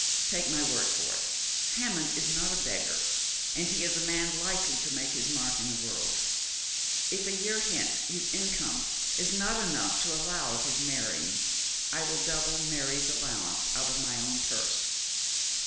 Take my word for it, Hammond is not a beggar, and he is a man likely to make his mark in the world. If a year hence his income is not enough to allow of his marrying, I will double Mary's allowance out of my own purse.